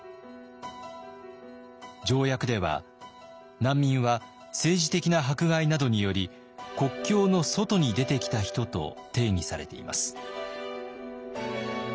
条約では難民は「政治的な迫害などにより国境の外に出てきた人」と定義されています。